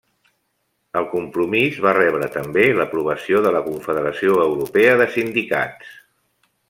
El compromís va rebre també l'aprovació de la Confederació Europea de Sindicats.